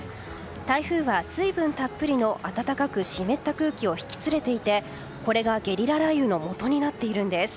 台風は水分たっぷりの暖かく湿った空気を引き連れていてこれがゲリラ雷雨のもとになっているんです。